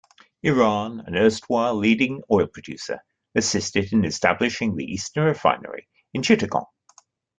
Iran, an erstwhile leading oil producer, assisted in establishing the Eastern Refinery in Chittagong.